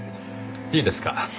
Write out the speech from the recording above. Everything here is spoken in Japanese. いいですか？